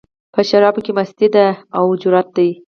په شرابو کې مستي ده، او جرت دی